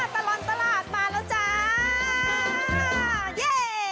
ตลอดตลาดมาแล้วจ้า